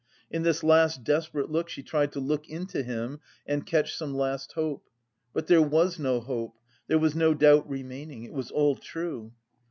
In this last desperate look she tried to look into him and catch some last hope. But there was no hope; there was no doubt remaining; it was all true!